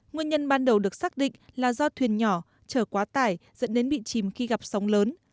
nguyên nhân ban đầu được xác định là do thuyền nhỏ chở quá tải dẫn đến bị chìm khi gặp sóng lớn